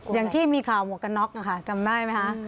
อย่างที่มีข่าวหมวกกันน็อกนะคะจำได้ไหมคะ